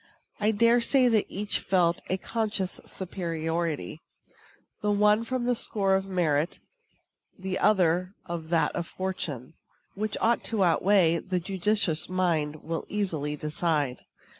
I dare say that each felt a conscious superiority the one on the score of merit, the other on that of fortune. Which ought to outweigh the judicious mind will easily decide.